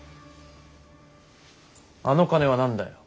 あの金は何だよ？